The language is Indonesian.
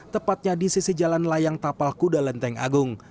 tepatnya di sisi jalan layang tapal kuda lenteng agung